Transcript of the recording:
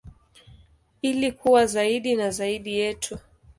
Ili kuwa zaidi na zaidi yetu.